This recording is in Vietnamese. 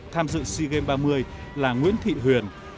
tham dự sea games ba mươi là nguyễn thị huyền